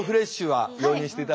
はい！